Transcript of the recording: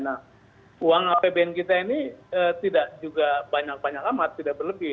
nah uang apbn kita ini tidak juga banyak banyak amat tidak berlebih